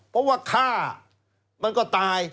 เพราะว่าฆ่ามันก็ตาย